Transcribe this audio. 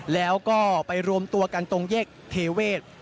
แล้วก็ไปรวมตัวกันตรงแยกเทเวศ